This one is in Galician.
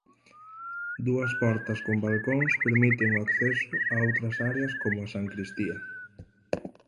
Dúas portas con balcóns permiten o acceso a outras áreas como a sancristía.